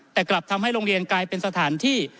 แต่กลับทำให้โรงเรียนกลายเป็นสถานที่